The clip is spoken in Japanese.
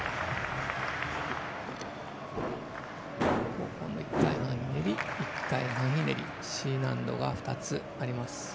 後方の１回半ひねり１回半ひねりＣ難度が２つあります。